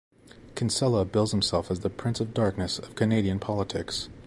Kinsella bills himself as the "Prince of Darkness" of Canadian politics.